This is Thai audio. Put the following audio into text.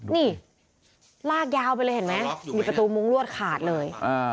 นี่ลากยาวไปเลยเห็นไหมมีประตูมุ้งลวดขาดเลย